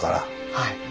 はい。